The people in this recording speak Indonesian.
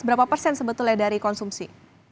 berapa persen sebetulnya dari konsumsi